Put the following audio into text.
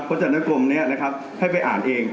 พจนกรมนี้นะครับให้ไปอ่านเอง